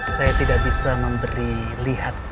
saya tidak bisa memberi lihat